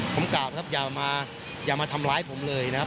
ผมกลับนะครับอย่ามาทำร้ายผมเลยนะครับ